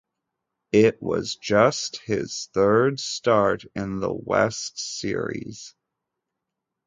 It was just his third start in the West Series.